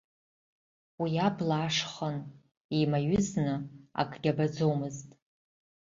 Уи абла аш хын, еимаҩызны акгьы абаӡомызт.